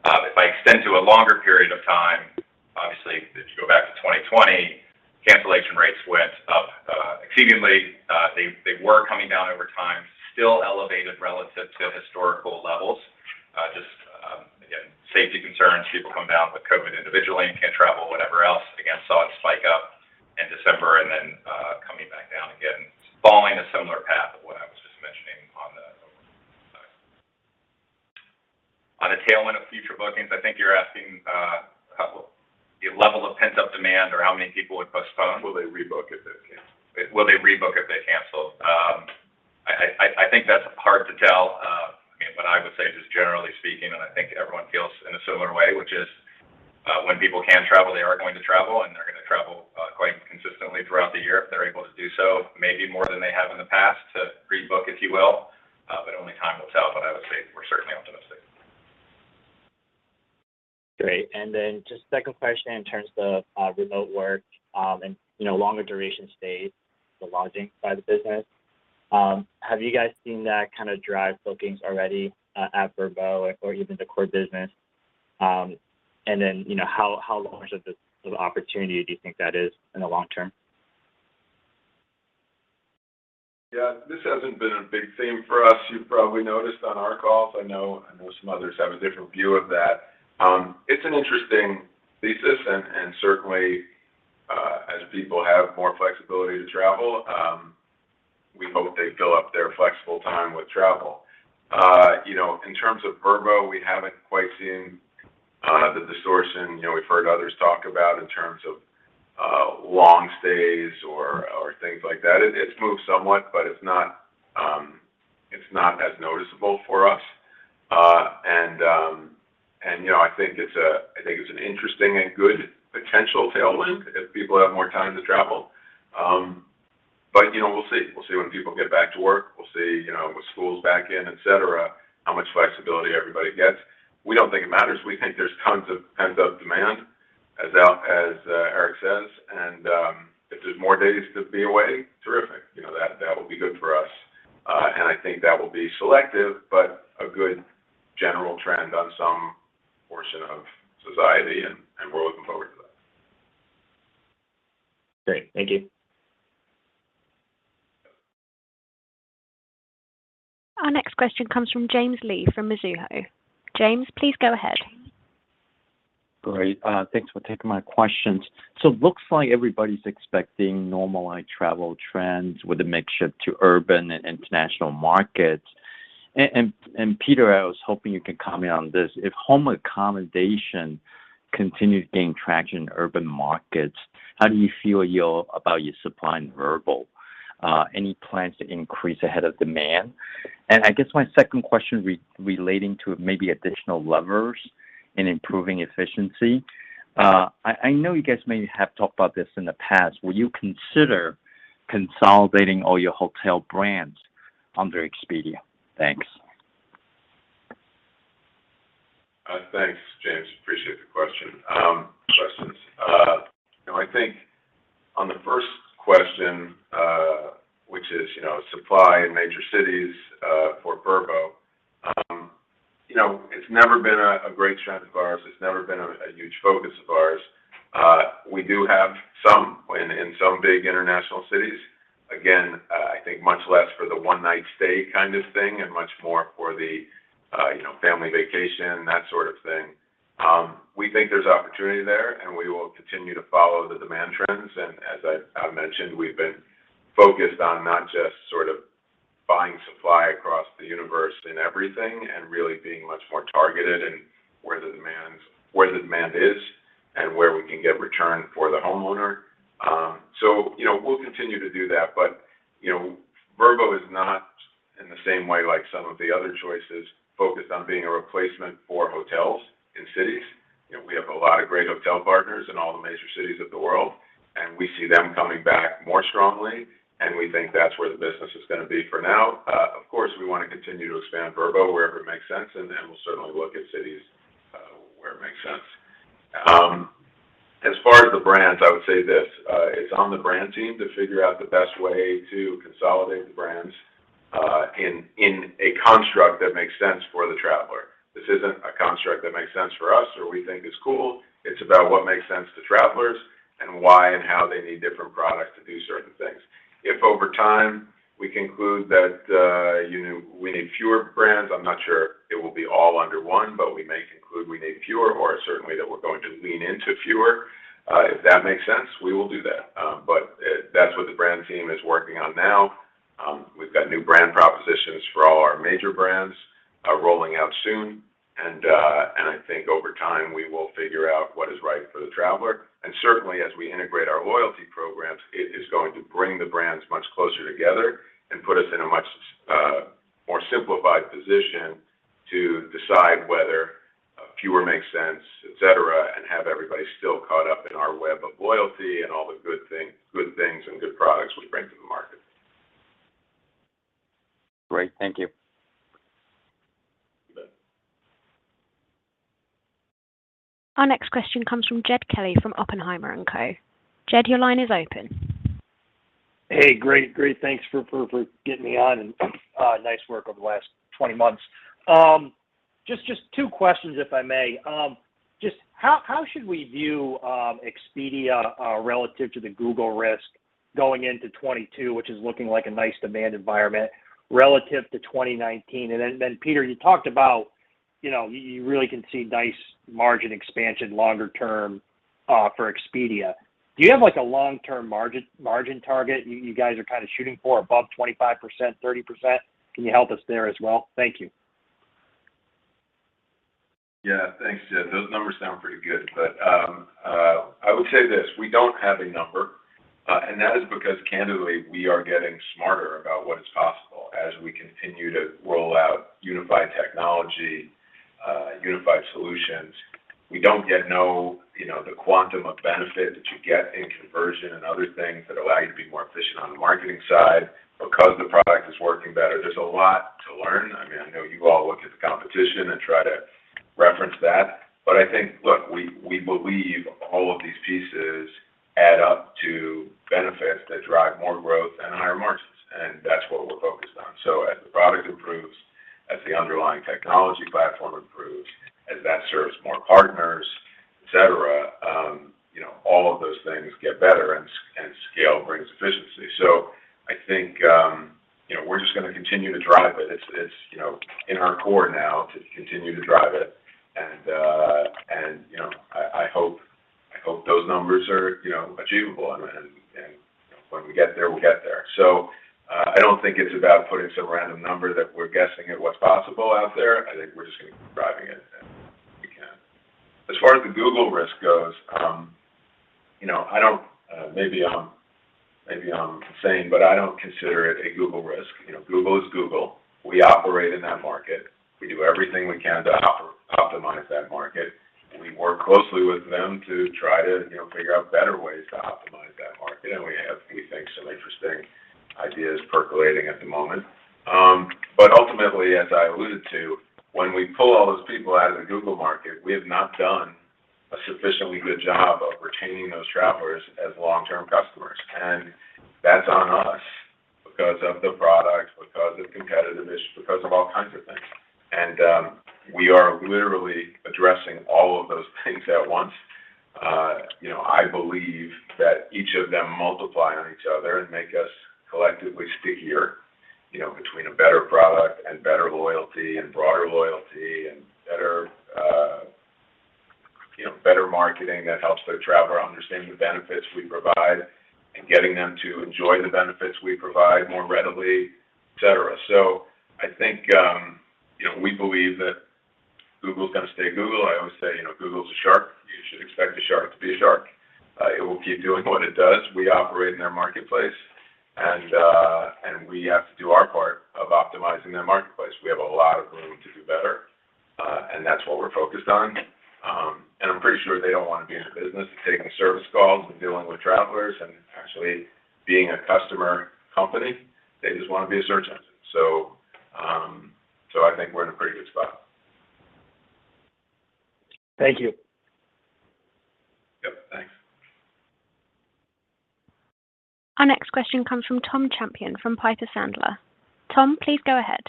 If I extend to a longer period of time, you go back to 2020, cancellation rates went up exceedingly. They were coming down over time, still elevated relative to historical levels. Just again, safety concerns, people coming down with COVID individually and can't travel, whatever else. Again, saw it spike up in December and then coming back down again, following a similar path of what I was just mentioning on the side. On the tailwind of future bookings, I think you're asking, how the level of pent-up demand or how many people would postpone? Will they rebook if they cancel? Will they rebook if they cancel? I think that's hard to tell. I mean, what I would say, just generally speaking, and I think everyone feels in a similar way, which is, when people can travel, they are going to travel, and they're going to travel, quite consistently throughout the year if they're able to do so, maybe more than they have in the past to rebook, if you will. Only time will tell. I would say we're certainly optimistic. Great. Then just second question in terms of remote work, and you know, longer duration stays, the lodging side of the business. Have you guys seen that kind of drive bookings already, at Vrbo or even the core business? You know, how large of an opportunity do you think that is in the long term? Yeah, this hasn't been a big theme for us. You've probably noticed on our calls. I know some others have a different view of that. It's an interesting thesis, and certainly as people have more flexibility to travel, we hope they fill up their flexible time with travel. You know, in terms of Vrbo, we haven't quite seen the distortion. You know, we've heard others talk about in terms of long stays or things like that. It's moved somewhat, but it's not as noticeable for us. You know, I think it's an interesting and good potential tailwind if people have more time to travel. You know, we'll see. We'll see when people get back to work. We'll see, you know, with schools back in, et cetera, how much flexibility everybody gets. We don't think it matters. We think there's tons of pent-up demand, as Eric says. If there's more days to be away, terrific. You know, that will be good for us. I think that will be selective, but a good general trend on some portion of society, and we're looking forward to that. Great. Thank you. Our next question comes from James Lee from Mizuho. James, please go ahead. Great. Thanks for taking my questions. It looks like everybody's expecting normalized travel trends with a mix shift to urban and international markets. And Peter, I was hoping you could comment on this. If home accommodation continues to gain traction in urban markets, how do you feel about your supply in Vrbo? Any plans to increase ahead of demand? I guess my second question relating to maybe additional levers in improving efficiency. I know you guys may have talked about this in the past. Will you consider consolidating all your hotel brands under Expedia? Thanks. Thanks, James. Appreciate the question, questions. You know, I think on the first question, which is, you know, supply in major cities, for Vrbo, you know, it's never been a great strength of ours. It's never been a huge focus of ours. We do have some in some big international cities. Again, I think much less for the one night stay kind of thing and much more for the, you know, family vacation, that sort of thing. We think there's opportunity there, and we will continue to follow the demand trends. As I've mentioned, we've been focused on not just sort of buying supply across the universe in everything and really being much more targeted in where the demand is and where we can get return for the homeowner. You know, we'll continue to do that. You know, Vrbo is not, in the same way like some of the other choices, focused on being a replacement for hotels in cities. You know, we have a lot of great hotel partners in all the major cities of the world, and we see them coming back more strongly, and we think that's where the business is going to be for now. Of course, we want to continue to expand Vrbo wherever it makes sense, and then we'll certainly look at cities where it makes sense. As far as the brands, I would say this. It's on the brand team to figure out the best way to consolidate the brands in a construct that makes sense for the traveler. This isn't a construct that makes sense for us or we think is cool. It's about what makes sense to travelers and why and how they need different products to do certain things. If over time we conclude that, you know, we need fewer brands, I'm not sure it will be all under one, but we may conclude we need fewer or certainly that we're going to lean into fewer. If that makes sense, we will do that. That's what the brand team is working on now. We've got new brand propositions for all our major brands, rolling out soon. I think over time, we will figure out what is right for the traveler. Certainly, as we integrate our loyalty programs, it is going to bring the brands much closer together and put us in a much more simplified position to decide whether fewer makes sense, et cetera, and have everybody still caught up in our web of loyalty and all the good things and good products we bring to the market. Great. Thank you. Our next question comes from Jed Kelly from Oppenheimer & Co. Jed, your line is open. Hey, great. Thanks for getting me on and nice work over the last 20 months. Just two questions, if I may. Just how should we view Expedia relative to the Google risk going into 2022, which is looking like a nice demand environment relative to 2019? And then Peter, you talked about, you know, you really can see nice margin expansion longer term for Expedia. Do you have like a long-term margin target you guys are kind of shooting for above 25%, 30%? Can you help us there as well? Thank you. Yeah. Thanks, Jed. Those numbers sound pretty good. I would say this, we don't have a number, and that is because candidly, we are getting smarter about what is possible as we continue to roll out unified technology, unified solutions. We don't yet know, you know, the quantum of benefit that you get in conversion and other things that allow you to be more efficient on the marketing side because the product is working better. There's a lot to learn. I mean, I know you all look at the competition and try to reference that. I think, look, we believe all of these pieces add up to benefits that drive more growth and higher margins, and that's what we're focused on. As the product improves, as the underlying technology platform improves, as that serves more partners, et cetera, you know, all of those things get better and scale brings efficiency. I think, you know, we're just gonna continue to drive it. It's, you know, in our core now to continue to drive it. You know, I hope those numbers are, you know, achievable and when we get there, we'll get there. I don't think it's about putting some random number that we're guessing at what's possible out there. I think we're just gonna be driving it as best we can. As far as the Google risk goes, you know, I don't maybe I'm insane, but I don't consider it a Google risk. You know, Google is Google. We operate in that market. We do everything we can to optimize that market. We work closely with them to try to, you know, figure out better ways to optimize that market. We have, we think, some interesting ideas percolating at the moment. Ultimately, as I alluded to, when we pull all those people out of the Google market, we have not done a sufficiently good job of retaining those travelers as long-term customers. That's on us because of the product, because of competitiveness, because of all kinds of things. We are literally addressing all of those things at once. You know, I believe that each of them multiply on each other and make us collectively stickier, you know, between a better product and better loyalty and broader loyalty and better, you know, better marketing that helps the traveler understand the benefits we provide and getting them to enjoy the benefits we provide more readily, et cetera. I think, you know, we believe that Google is gonna stay Google. I always say, you know, Google is a shark. You should expect a shark to be a shark. It will keep doing what it does. We operate in their marketplace, and we have to do our part of optimizing their marketplace. We have a lot of room to do better, and that's what we're focused on. I'm pretty sure they don't wanna be in the business of taking service calls and dealing with travelers and actually being a customer company. They just wanna be a search engine. I think we're in a pretty good spot. Thank you. Yep. Thanks. Our next question comes from Tom Champion from Piper Sandler. Tom, please go ahead.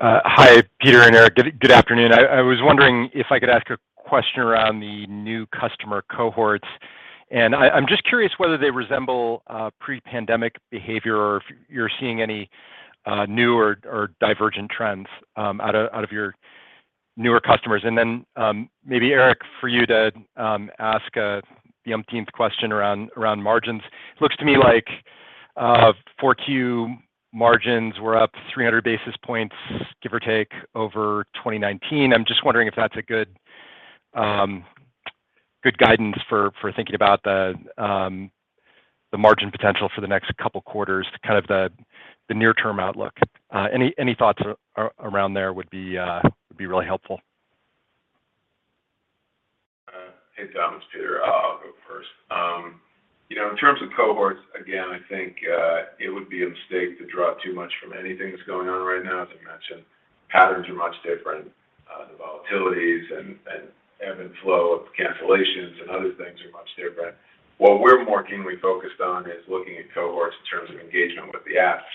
Hi, Peter and Eric. Good afternoon. I was wondering if I could ask a question around the new customer cohorts, and I'm just curious whether they resemble pre-pandemic behavior or if you're seeing any new or divergent trends out of your newer customers. Then, maybe Eric, for you to ask the umpteenth question around margins. It looks to me like Q4 margins were up 300 basis points, give or take, over 2019. I'm just wondering if that's a good guidance for thinking about the margin potential for the next couple quarters, kind of the near-term outlook. Any thoughts around there would be really helpful. Hey, Tom. It's Peter. I'll go first. You know, in terms of cohorts, again, I think it would be a mistake to draw too much from anything that's going on right now. As I mentioned, patterns are much different. The volatilities and ebb and flow of cancellations and other things are much different. What we're more keenly focused on is looking at cohorts in terms of engagement with the app,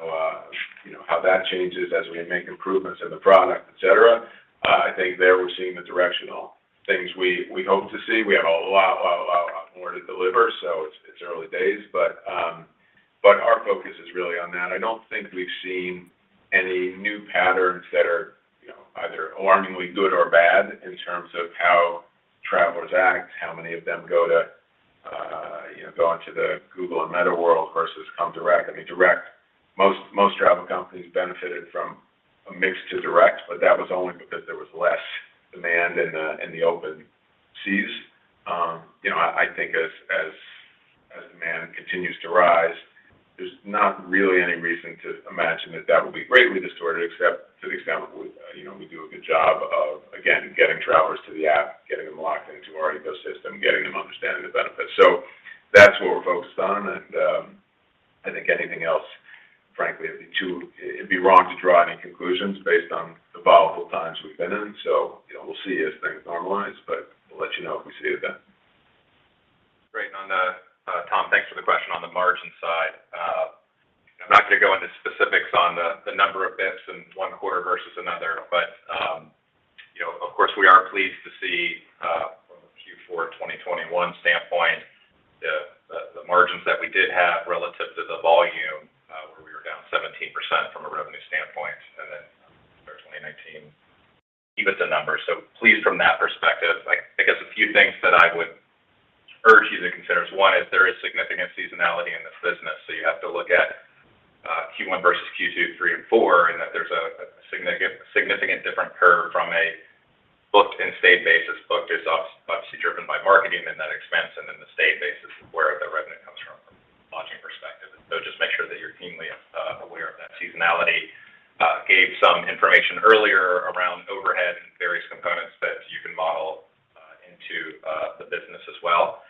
how you know, how that changes as we make improvements in the product, et cetera. I think there, we're seeing the directional things we hope to see. We have a lot more to deliver, so it's early days. Our focus is really on that. I don't think we've seen any new patterns that are, you know, either alarmingly good or bad in terms of how travelers act, how many of them go to, you know, go onto the Google and Meta world versus come direct. I mean, direct, most travel companies benefited from a mix to direct, but that was only because there was less demand in the open seas. You know, I think as demand continues to rise, there's not really any reason to imagine that that will be greatly distorted, except to the extent that we, you know, we do a good job of, again, getting travelers to the app, getting them locked into our ecosystem, getting them understanding the benefits. That's what we're focused on and it'd be wrong to draw any conclusions based on the volatile times we've been in. You know, we'll see as things normalize, but we'll let you know if we see it then. Great. Tom, thanks for the question on the margin side. I'm not gonna go into specifics on the number of bits in one quarter versus another. You know, of course, we are pleased to see from a Q4 2021 standpoint, the margins that we did have relative to the volume, where we were down 17% from a revenue standpoint, and then there's only 19. Give us a number. Pleased from that perspective. Like, I guess a few things that I would urge you to consider is. One, there is significant seasonality in this business. You have to look at Q1 versus Q2, Q3 and Q4, and that there's a significantly different curve from a booked and stay basis. Booked is obviously driven by marketing and that expense, and then the stay basis is where the revenue comes from a lodging perspective. Just make sure that you're keenly aware of that seasonality. Gave some information earlier around overhead and various components that you can model into the business as well.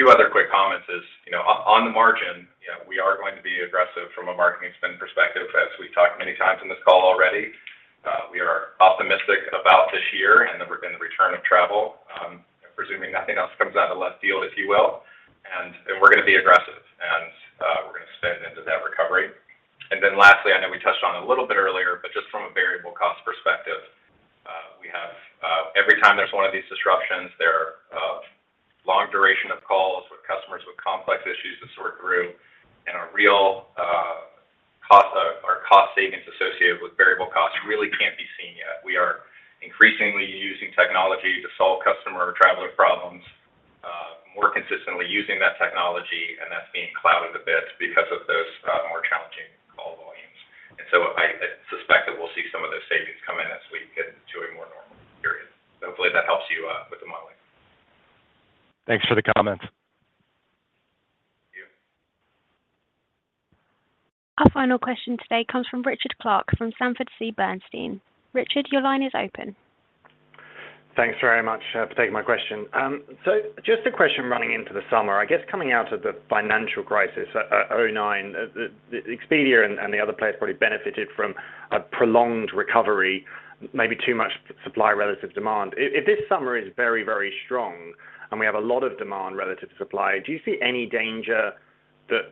Two other quick comments is, you know, on the margin, you know, we are going to be aggressive from a marketing spend perspective. As we've talked many times in this call already, we are optimistic about this year and the return of travel, presuming nothing else comes out of left field, if you will. We're gonna be aggressive, and we're gonna spend into that recovery. Then lastly, I know we touched on it a little bit earlier, but just from a variable cost perspective, we have every time there's one of these disruptions,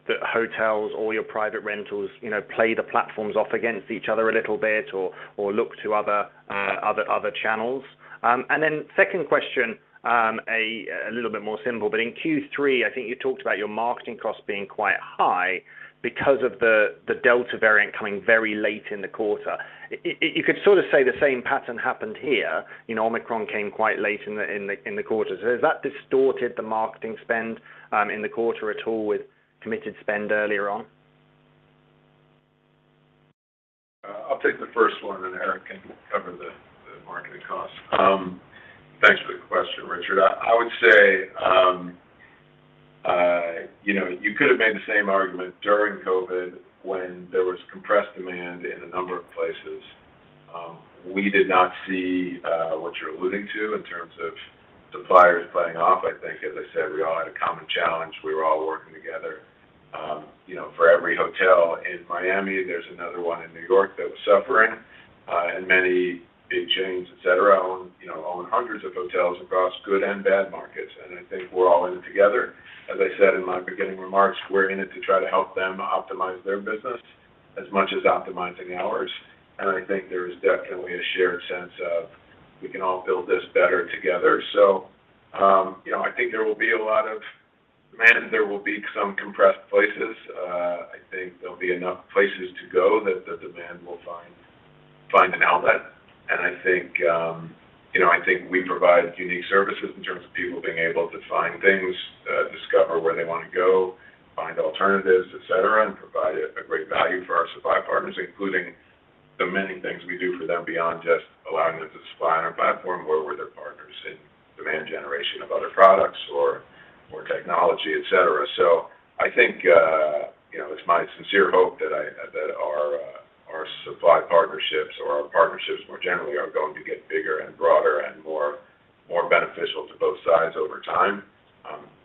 that hotels or your private rentals, you know, play the platforms off against each other a little bit or look to other channels? Second question, a little bit more simple, in Q3, I think you talked about your marketing costs being quite high because of the Delta variant coming very late in the quarter. You could sort of say the same pattern happened here. You know, Omicron came quite late in the quarter. Has that distorted the marketing spend in the quarter at all with committed spend earlier on? I'll take the first one, then Eric can cover the marketing costs. Thanks for the question, Richard. I would say, you know, you could have made the same argument during COVID when there was compressed demand in a number of places. We did not see what you're alluding to in terms of suppliers playing off. I think, as I said, we all had a common challenge. We were all working together. You know, for every hotel in Miami, there's another one in New York that was suffering, and many big chains, et cetera, own hundreds of hotels across good and bad markets. I think we're all in it together. As I said in my beginning remarks, we're in it to try to help them optimize their business as much as optimizing ours. I think there is definitely a shared sense of we can all build this better together. You know, I think there will be a lot of demand, and there will be some compressed places. I think there'll be enough places to go that the demand will find an outlet. I think, you know, I think we provide unique services in terms of people being able to find things, discover where they wanna go, find alternatives, et cetera, and provide a great value for our supply partners, including the many things we do for them beyond just allowing them to supply on our platform where we're their partners in demand generation of other products or technology, et cetera. I think, you know, it's my sincere hope that our supply partnerships or our partnerships more generally are going to get bigger and broader and more beneficial to both sides over time.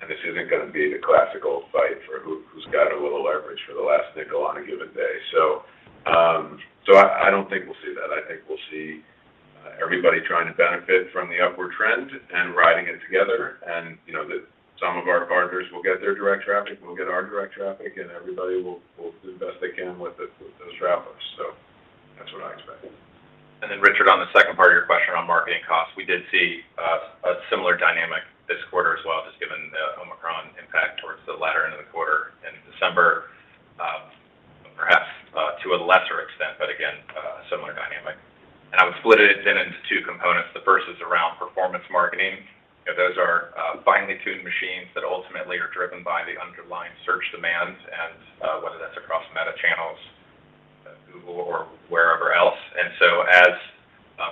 This isn't gonna be the classical fight for who's got a little leverage for the last nickel on a given day. I don't think we'll see that. I think we'll see everybody trying to benefit from the upward trend and riding it together, and you know, that some of our partners will get their direct traffic, we'll get our direct traffic, and everybody will do the best they can with those travelers. That's what I expect. Richard, on the second part of your question on marketing costs, we did see a similar dynamic this quarter as well, just given the Omicron impact towards the latter end of the quarter in December, perhaps to a lesser extent, but again a similar dynamic. I would split it again into two components. The first is around performance marketing. You know, those are finely tuned machines that ultimately are driven by the underlying search demands and whether that's across Meta channels, Google or wherever else. As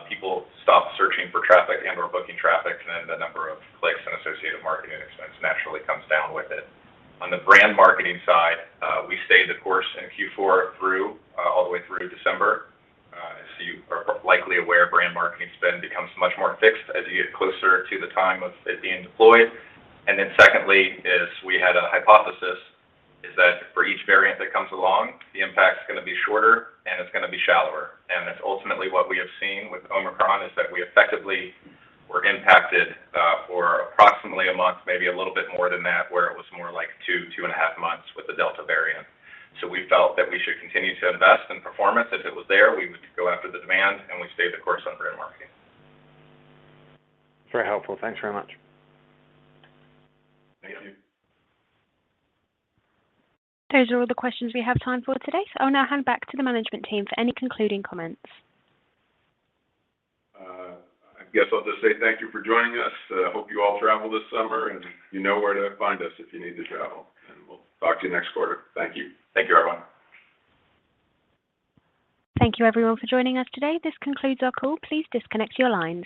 people stop searching for traffic and/or booking traffic, then the number of clicks and associated marketing expense naturally comes down with it. On the brand marketing side, we stayed the course in Q4 through all the way through December. As you are likely aware, brand marketing spend becomes much more fixed as you get closer to the time of it being deployed. Secondly is we had a hypothesis is that for each variant that comes along, the impact's gonna be shorter, and it's gonna be shallower. That's ultimately what we have seen with Omicron is that we effectively were impacted for approximately a month, maybe a little bit more than that, where it was more like two and a half months with the Delta variant. We felt that we should continue to invest in performance. If it was there, we would go after the demand, and we stayed the course on brand marketing. Very helpful. Thanks very much. Thank you. Those are all the questions we have time for today, so I'll now hand back to the management team for any concluding comments. I guess I'll just say thank you for joining us. I hope you all travel this summer, and you know where to find us if you need to travel. We'll talk to you next quarter. Thank you. Thank you, everyone. Thank you everyone for joining us today. This concludes our call. Please disconnect your lines.